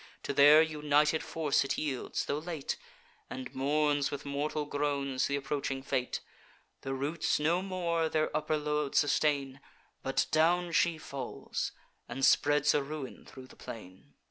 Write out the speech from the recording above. To their united force it yields, tho' late, And mourns with mortal groans th' approaching fate: The roots no more their upper load sustain; But down she falls, and spreads a ruin thro' the plain.